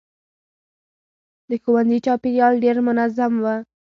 د ښوونځي چاپېریال ډېر منظم و.